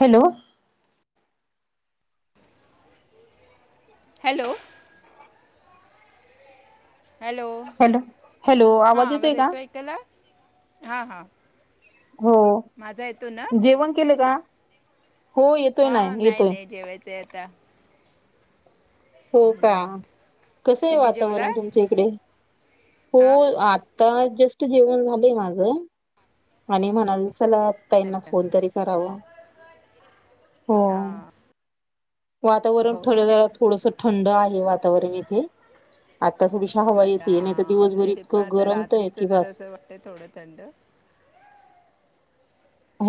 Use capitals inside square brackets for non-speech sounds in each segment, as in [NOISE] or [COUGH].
Hello. Hello. Hello hello hello, आवाज येतोय का? हा हा. हो, जेवण केले का? हो येतोय ना हा नाही येतोय नाही, जेवायचं हाय आता. हो का, कसं आहे तुम्ही जेवला वातावरण तुमच्या इकडे? हो हां आ आता जस्ट जेवण झालंय माझं आणि म्हणाल चला, ताईंना अच्छा फोन तरी करावा. हो हां वातावरण हो हो थोडं थोडसं थंड आहे, वातावरण इथे. आता थोडीशी हवा आता येते, नाहीतर दिवसभर आमच्या इथे पण इतकं आता गरमतय रात्रीचं की जर बास. असं वाटतं थोडं थंड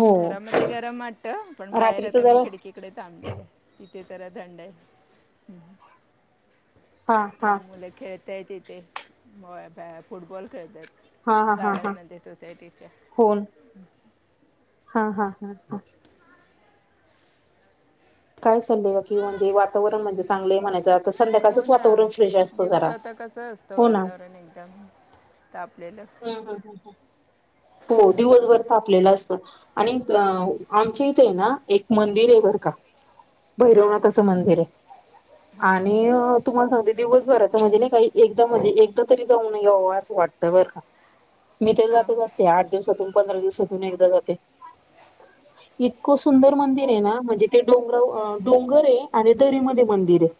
घरामध्ये गरम आ हे. पण बाहेर रात्रीच आता मी जरा खिडकीकडे थांबली आहे, तिथे जरा थंड आहे. [INAUDIBLE] हा हा. ते तेथे [UNINTELLIGIBLE] फुटबॉल खेळतायत. हा हा हा हा गार्डनमध्ये सोसायटीच्या. फोन हा हा हा हा. काय चाललेय नक्की म्हणजे, वातावरण म्हणजे चांगलय म्हणायचं. हो संध्याकाळचंच ना, वातावरण फ्रेश असतं जरा. दिवसाचं कसं असतं हो ना. वातावरण एकदम तापलेलं. हम्म हम्म हम्म हम्म. हो दिवसभर तापलेलं असतं आणि आमच्या इथे आहे ना, एक मंदिर आहे बर का हां भैरवनाथाचं मंदिर हाय.. हां आणि तुम्हाला सांगते, दिवसभर आता म्हणजे नाही काही एकदम म्हणजे एकदा तरी जाऊन यावं, असं वाटतं बर का. मी तर जातच हां असते, आठ दिवसातून पंधरा दिवसात तून एकदा जाते. इतकं सुंदर मंदिर आहे ना, म्हणजे ते डोंगराव डोंगर आहे आणि दरीमध्ये मंदिर आहे.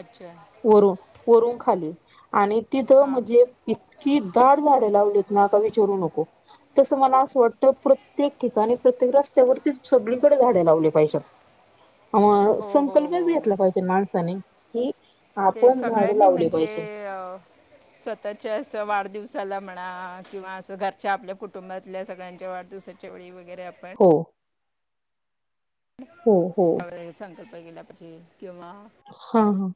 अच्छा वरून, वरून खाली आणि तिथं हां म्हणजे की दाट झाडे लावलीत ना, का विचरू नको. तसं मला असं वाटतं प्रत्येक ठिकाणी प्रत्येक रस्त्यावरती सगळीकडे झाडे लावली पाहिजेत. अ हो हो संकल्पच हो घेतला पाहिजे माणसाने, की ते सगळ्यांनी म्हणजे अ स्वतःच्या असं वाढदिव साला म्हणा किंवा असं घरच्या आपल्या कुटुंबातल्या सगळ्यांच्या वाढदिवसाच्या वेळी वगैरे आपण हो हो हो त्या वेळेला हे संकल्प केला पाहिजे किंवा हा हा.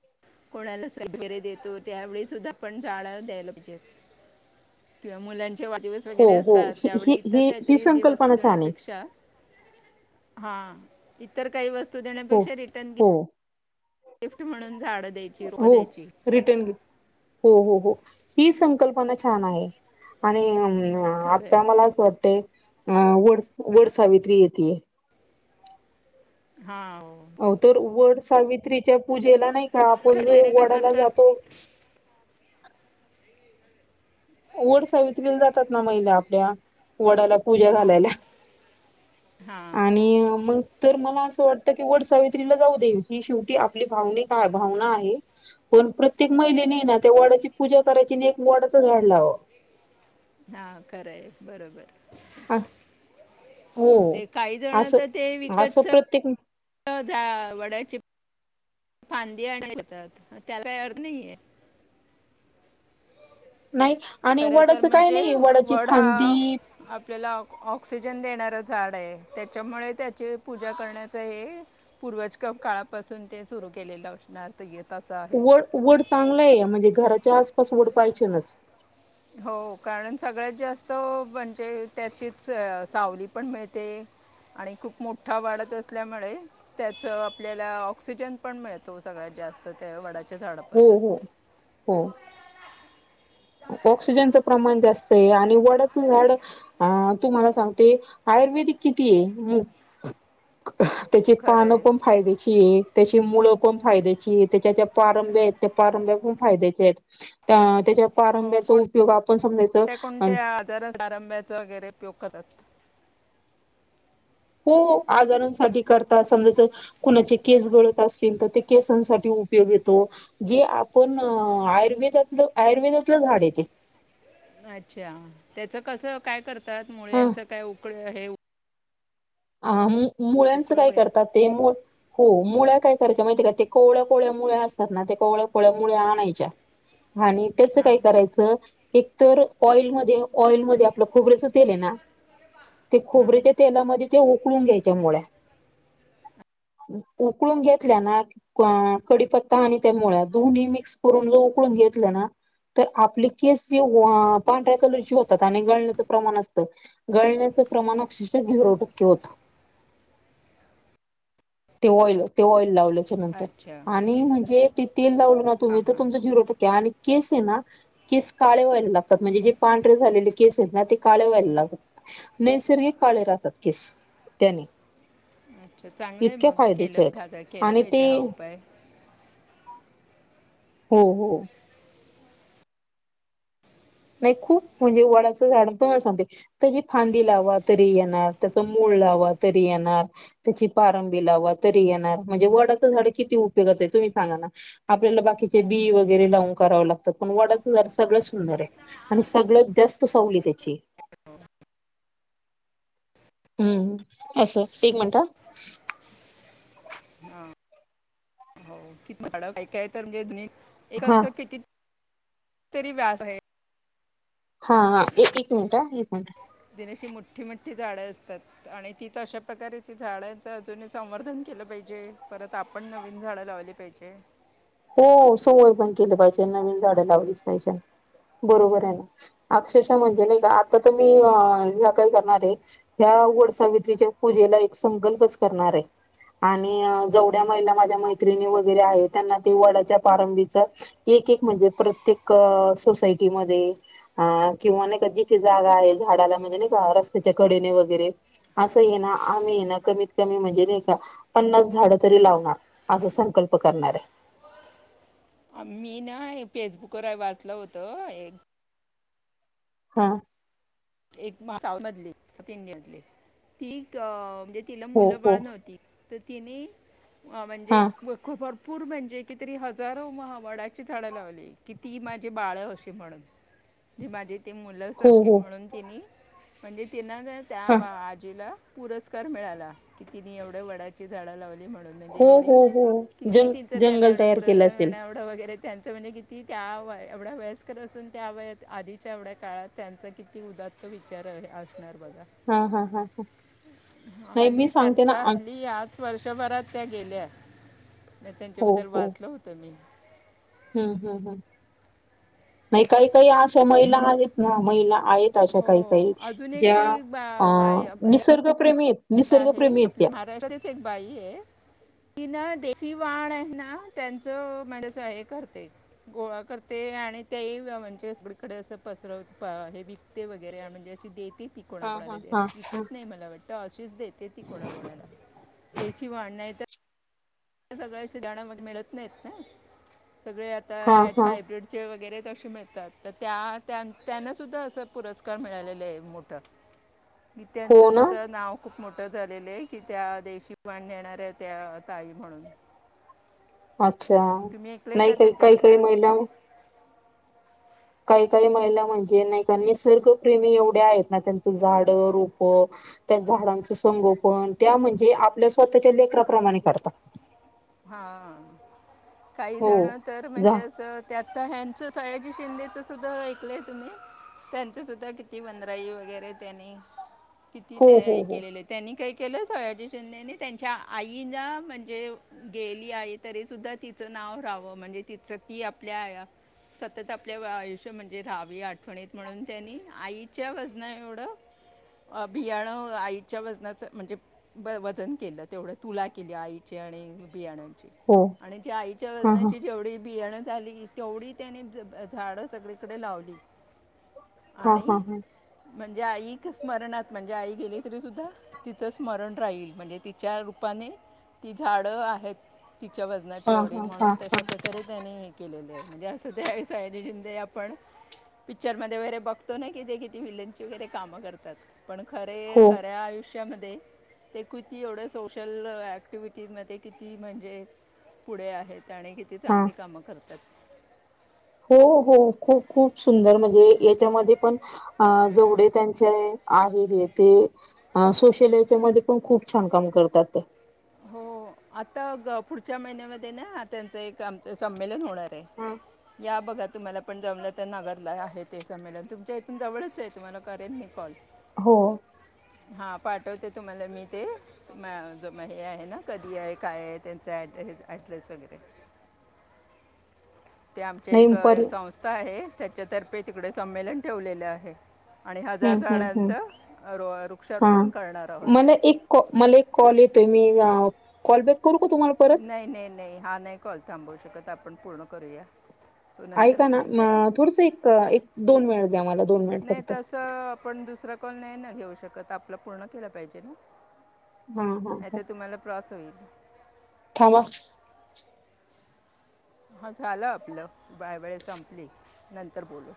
कोणाला [UNINTELLIGIBLE] देतो, त्यावेळी सुद्धा आपण झाडं द्यायला पाहिजेत. किंवा मुलांचे वाढ दिवस हो वगैरे हो असतात, ही त्यावेळी इतर ही ही काहीतरी दे वस्तू संकल्पना छान आहे देण्यापेक्षा हा इतर काही वस्तू हो देण्यापेक्षा रिटर्न गि हो गिफ्ट म्हणून झाडं द्यायची, रोपं हो द्यायची. रिटर्न हो हो हो, ही संकल्पना छान आहे आणि ह आता खरंय मला असं वाटतंय, अ वड वडसावित्री येतेय हा हो अ तर वड सावित्रीच्या पूजेला नाही का, आपण पैसे जो वगैरे काय वडाला जातो करतात वड सावित्रीला जातात ना महिला आपल्या वडाला पूजा हो घालायला हा आणि मग तर मला वाटत की वड सावित्रीला जाऊ दे ही शेवटी आपली भावनिक भावना आहे. पण प्रत्येक महिलेने ना त्या वडाची पूजा करायची आणि एक वडाच झाड लावावं. हा खराय बरोबर. [UNINTELLIGIBLE] हो ते काही जण असं तर ते असं विकतच प्रत्येक झा वडाचे फांदीे आणतात त्याला काय अर्थ नाहीय. नाही आणि खर तर वडाचं काय म्हणजे नाही वडाची वड हा फांदी आपल्याला ऑक ऑक्सिजन देणारं झाड आहे त्याच्यामुळे त्याची पूजा करण्याच हे. पूर्वज काळापासून ते सुरू केलेलं असणार तर येत. असं आहे वड वड चांगलं आहे म्हणजे घराच्या आसपास वड पाहिजेनच हो कारण सगळ्यात जास्त म्हणजे त्याचीच सावली पण मिळते. आणि खूप मोठा वाढत असल्यामुळे त्याच आपल्याला ऑक्सिजन पण मिळतो सगळ्यां जास्त त्या वडाच. हो हो हो. ऑक्सिजनच प्रमाण जास्त आहे आणि वडच झाड तुम्हाला सांगते आ. किती आहे म्हणजे त्याची खरं पानं आहे पण फायद्याची आहे त्याची मुळं पण फायद्याची आहे त्याच्या त्या पारंब्या त्या पारंब्या फायद्याचे आहेत त्याच्या हो पारंब्याचा कोण उपयोग आपण समजायचं कोणत्या कोणत्या आजारा पारंब्याचा वगैरे उपयोग करतात. हो आजारांसाठी करतात समजा जर कुणाचे केस गळत असतील तर ते केसांसाठी उपयोग येतो जे आपण आयुर्वेदातलं आयुर्वेदातलं झाड आहे ते [UNINTELLIGIBLE] अच्छा त्याच कसं काय करतात मुळ्यांच काय उकड हे अ मुळ्यांच उकळ काय वगैरे करतात ते हो मुळ काय करायच्या माहितीय का ते कोवळ्या कोवळ्या मुळ्या असतात ना ते कोवळ्या कोवळ्या मुळ्या आणायच्या. आणि त्याच काय हां करायचं. एक तर ऑइलमध्ये ऑइलमध्ये आपलं खोबऱ्याच तेल आहे ना. ते हां खोबऱ्याच्या तेलामध्ये ते उकळून घ्यायच्या मुळ्या उकून घेतल्या ना कडीपत्ता आणि त्या मुळ्या दोन्ही मिक्स करून जो उकळून घेतलं ना. तर आपले केस जे पांढऱ्या कलरची होतात आणि गळण्याचं प्रमाण असतं गळण्या प्रमाण अक्षरशः ऑइल ते ऑइल लावल्या. अच्छा आणि ओके म्हणजे ते तेल लावल ना हां तुम्ही तर हां तुमचा झिरो टक्के. आणि केस आहे ना केस काळे व्हायला लागतात म्हणजे जे पांढरे झालेले. केस आहेत ना ते काळे व्हायला लागत नैसर्गिक काळे राहतात केस त्याने अच्छा चांगलंय इतके मग फायद्याचे आहेत केलं केलं आणि ते पाहिजे हा उपाय हो हो. नाही खूप म्हणजे वडाच झाड पण सांगते त फांदी लावा तरी येणार तसं मुळ. लावा तरी येणार त्याची पारंबी लावा तरी येणार म्हणजे वडाच झाड किती उपयोगी तुम्ही सांगा ना आपल्याला बाकीचे बी वगैरे लावून कराव लागतात पण वडात झाड सगळ्यात सुंदर आहे. आणि सगळ्यात जास्त सावली त्याची आहे. हम्म असं एक मिनिट ह. हा. कितीडा काय तर म्हणजे हा हा कसं किती? तरी व्याज आहे. हा एक एक मिनिट एक मिनिट. मोठी मोठी झाडं असतात आणि तीच अशा प्रकारे ती झाडांच अजून संवर्धन केलं पाहिजे. म्हणजे परत आपण नवीन झाड लावली पाहिजे हो सगळेजण केलं पाहिजे नवीन झाडे लावलीच पाहिजे बरोबर आहे अक्षरशः म्हणजे नाही का आता तुम्ही ह्या काय करणार आहेत वडसावित्रीच्या पूजेला एक संकल्पच करणार आहे आणि जेवढ्या महिला माझ्या मैत्रिणी वगैरे आहे त्यांना ते वडाच्या पारंबीचा एकेक म्हणजे प्रत्येक सोसायटीमध्ये एक किंवा नाही जिथे जागा आहे झाडाला म्हणजे रस्त्याच्या कडेला वगैरे अस ना कमीत कमी म्हणजे पन्नास झाड तरी लावणार अस संकल्प करणार आहे मी ना फेसबुक वर वाचल होतं एक हा एक साऊथ मधली साऊथ इंडियातली ती म्हणजे तिला हो मुलं हो बाळ नव्हती तर तिने म्हणजे हा खुप भरपूर पूर म्हणजे कि तरी हजारो वडाची झाड लावली कि ती माझी बाळ अशी म्हणून ज माझी ते मुलं हो सारखे हो म्हणून तिने म्हणजे तिन त्या हा आजीला पुरस्कार मिळाला की तिने एवढ्या वडाची झाडं लावली हो म्हणणेव हो हो किती जंग त्यांना जंगल एवढे तयार केलं पुरस्कार असेल मिळणारे त्यांचं म्हणजे किती त्या व एवढ्या वयस्कर असून त्या वत आधीच्या एवढ्या काळात त्यांचं किती ती उदात्त विचार आहे घा हा हा हा नाही मी हल्लीच सांगते ना आता आ हल्ली आज वर्षभरात त्या गेल्या हो त्यांच्याबद्दल हो वाचलं होतं मी हम्म हम् हम् नाही काही काही अशा महिला आहेत ना महिला आहेत अशा हो काही काही अजून ज्या एकटी बा बाय हे निसर्गप्रेमी आहेत आहे निसर्गप्रेमी आहेत आपली त्या महाराष्ट्रातच एक बाई आहे ति ना देशी वाण आहे ना त्यांचं म्हणजे हे करते गोळा करते ते आणि त्या म्हणजेकडे असं पसरवत हे विकते वगैरे म्हणजे अशी देत ती पकोणा हा कोणाला हा हा ह विकत नाही मला वाटतं अशीच दे देती कोणा कोणाला देशी वाढ नाही तर सगळ्या शधणामध्ये मिळत नाहीत ना सगळे आता हा हा हच्या हायब्रीडचे वगैरे त मिळतात तर त्या त्यांना सुद्धा असं पुरस्कार मिळालेले आहे मोठा मी त्यांचं हो ना सुद्धा नाव खूप मोठ झालेलं आहे की त्या देशी बाण येणारऱ आहे त्या ताई म्हणून अच्छा तुम्ही ऐकलंय नाही का काही काही काही त्यांच्याबद्दल महिला काही काही महिला म्हणजे नाही का निसर्गप्रेमी एवढ्या आहेत ना त्यांच झाडे रोप त्या झाडाचे संगोपन त्या म्हणजे आपल्या स्वतःच्या लेकराप्रमाणे करतात हां काही हो जण तर जा म्हणजे असं त्यात हचं सायाजी शिंदेचं सुद्धा ऐकलंय तुम्ही त्यांच सुद्धा किती वनराई वगैरे त्यांनी किती हो ते हो हे हो केलेलं त्यांनी काय केलं सयाजी शिंदेने त्यांच्या आईना म्हणजे गेली आहे तरी सुद्धा तिचं नाव राहावं म्हणजे तिचं ती आपल्या सतत आपल्या आयुष्य म्हणजे राहावी आठवणीत म्हणून त्यांनी आईच्या वजना एवढं बियाणं आईच्या वजनाच म्हणजे वजन केलं तेवढ तुला केली आईचे हो बियाणे आईच्या हा हा वजनाचे जेवढ बियाणे झाले झाली तेवढी त्यानी झाडे सगळीकडे लावली हा आणि हा हा म्हणजे आईक स्मरणात म्हणजे आई गेले तरी सुद्धा तिचं स्मरण राहील म्हणजे तिच्या रूपाने ती झाडे आहे ह तिच्या वजनाची हा एवढी हा हा म्हणून हा तशाप्रकारे त्याने हे केलेलं आहे म्हणजे असं ते सायजी आपण पिक्चर मध्ये वगैरे बघतो ना कि ते किती विलनची वगैरे काम करतात पण खरे हो खऱ्या आयुष्या त्यांच्यामध्ये ते किती एवढं सोशल ऍक्टिव्हटीमध्येध्ये किती म्हणजे पुढे आहेत आणि किती हा चांगली कामं करतात हो हो खूप खूप सुंदर म्हणजे यांच्यामध्ये पण अ जेवढे त्यांचे आहे हे ते सोशलच्या मध्ये पण खूप छान काम करतात हो आता पुढच्या महिन्यामध्ये ना त्यांचं एक आम संमेलन होणार या बघत तुम्हाला पण जमलं तर नगरला आहे ते संमेलन तुमच्या इथून जवळच आहे तुम्हाला करेन मी कॉल हो हा पाठवते तुम्हाला मी ते मग हे आहे ना कधी आहे काय आहे त्यांच ड्रेस ऍड्रेस वगैरे ते आमचे एक नाही पर संस्था आहे त्याच्यातर्फे तिकडे संमेलन ठेवलेले आहे आणि हम्म हजार हम्म झाडांच हम्म हा वृक्षारोपण करणार मला आहोत एक कॉ मला एक कॉल येतोय मी कॉल बॅक नाही नाही नाही हा नाही कॉल थांबवू शकत आपण पूर्ण करूया तो नंतर ऐका ना तुम्ही करा थोडस एक एक दोन वेळ नाही त असं आपण दुसरा कॉल नाही ना घेऊ शकत आपलं पूर्ण केला पाहिजे ना हा हा नाही तर तुम्हाला प्रॉस होईल ांवा हा झालं आपलं बायबळे संपली नंतर बोलू